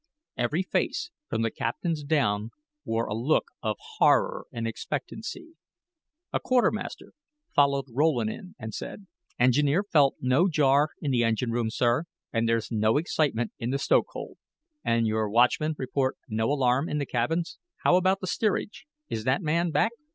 Every face, from the captain's down, wore a look of horror and expectancy. A quartermaster followed Rowland in and said: "Engineer felt no jar in the engine room, sir; and there's no excitement in the stokehold." "And you watchmen report no alarm in the cabins. How about the steerage? Is that man back?"